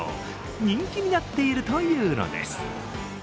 人気になっているというのです。